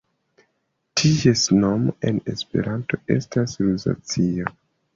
Ties nomo en Esperanto estas Luzacio.